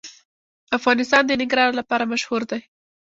افغانستان د ننګرهار لپاره مشهور دی.